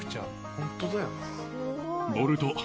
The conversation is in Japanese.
ホントだよな。